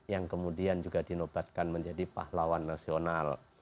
yang kemudian juga dinobatkan menjadi pahlawan nasional